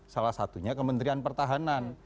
salah satunya kementerian pertanian